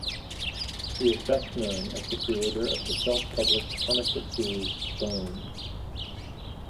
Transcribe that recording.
He is best known as the creator of the self-published comic book series "Bone".